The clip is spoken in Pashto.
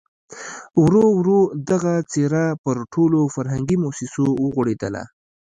ورو ورو دغه څېره پر ټولو فرهنګي مؤسسو وغوړېدله.